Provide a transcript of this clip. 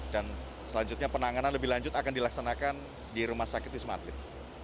dan selanjutnya penanganan lebih lanjut akan dilaksanakan di rumah sakit wisma atlet